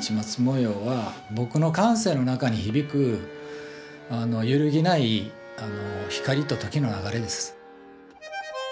市松模様は僕の感性の中に響く揺るぎない光と時の流れです。